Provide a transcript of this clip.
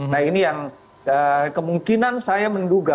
nah ini yang kemungkinan saya menduga